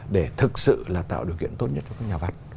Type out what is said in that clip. để thực sự là tạo điều kiện tốt nhất cho các nhà văn